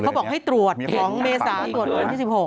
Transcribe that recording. เดี๋ยวเขาบอกให้ตรวจของเมษาตรวจของที่๑๖